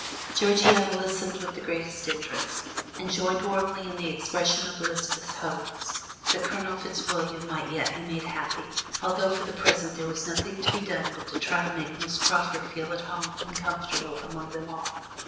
Georgiana listened with the greatest interest, and joined warmly in the expression of Elizabeth's hopes that Colonel Fitzwilliam might yet be made happy, although for the present there was nothing to be done but to try to make Miss Crawford feel at home and comfortable among them all.